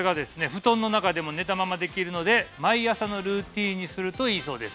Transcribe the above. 布団の中でも寝たままできるので毎朝のルーティンにするといいそうです